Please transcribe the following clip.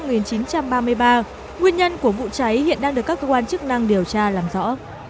nguyên nhân của vụ cháy hiện đang được các cơ quan chức năng điều tra làm rõ